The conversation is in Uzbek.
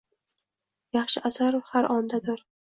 Yaxshi asar har ondadir.